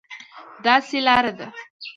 داسې لار ده،